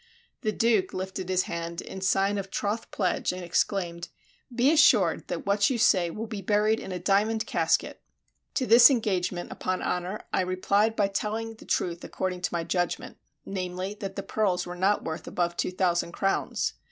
The Duke lifted his hand in sign of troth pledge and exclaimed, "Be assured that what you say will be buried in a diamond casket." To this engagement upon honor I replied by telling the truth according to my judgment, namely, that the pearls were not worth above two thousand crowns.